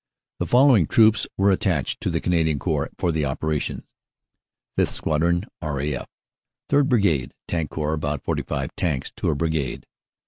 "The following Troops were attached to the Canadian Corps for the operations : "5th. Squadron, R. A. F. "3rd. Brigade, Tank Corps (about 45 tanks to a Brigade).